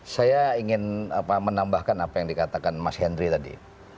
saya ingin menambahkan apa yang dikatakan mas henry tadi